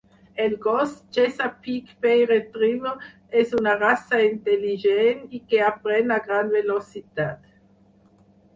El gos Chesapeake Bay Retriever és una raça intel·ligent i que aprèn a gran velocitat.